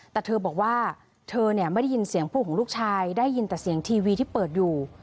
แต่เธอบอกว่าเธอเนี่ยไม่ได้ยินเสียงพูดของลูกชายได้ยินแต่เสียงทีวีที่เปิดอยู่